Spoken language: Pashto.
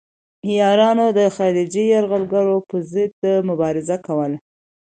عیارانو د خارجي یرغلګرو پر ضد مبارزه کوله.